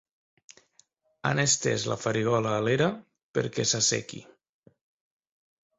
Han estès la farigola a l'era perquè s'assequi.